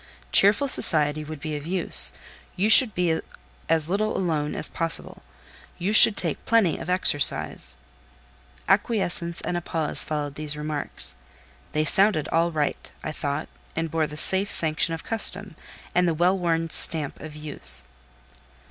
Cheerful society would be of use; you should be as little alone as possible; you should take plenty of exercise." Acquiescence and a pause followed these remarks. They sounded all right, I thought, and bore the safe sanction of custom, and the well worn stamp of use.